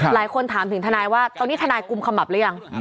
หลายคนถามถึงทนายว่าตอนนี้ทนายกุมขมับหรือยัง